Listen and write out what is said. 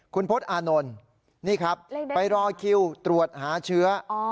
คุณพฤษอานนท์นี่ครับไปรอคิวตรวจหาเชื้อ